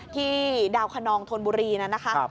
ที่ดาวคนนองธนบุรีนั้นนะคะ